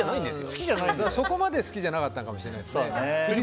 そこまで好きじゃなかったのかもしれないですね。